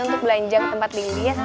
untuk belanja ke tempat lindies